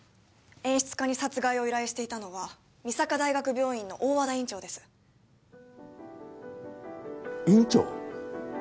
演出家に殺害を依頼していたのは御坂大学病院の大和田院長です院長！？